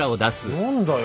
何だよ？